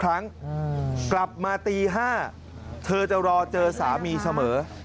ครั้งกลับมาตี๕เธอจะรอเจอสามีเสมอ